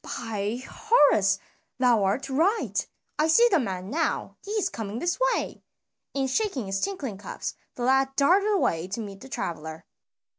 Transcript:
"By Horus! thou art right, I see the man now, he is coming this way." And shaking his tinkling cups, the lad darted away to meet the traveler.